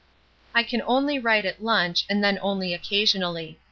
I can only write at lunch and then only occasionally.